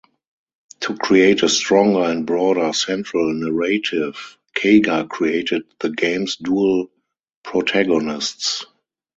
To create a stronger and broader central narrative, Kaga created the game's dual protagonists.